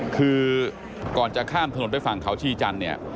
คือก่อนจะข้ามถนนไปฝั่งเขาชีจันทร์เนี่ย